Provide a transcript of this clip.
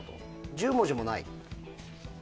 １０文字もない？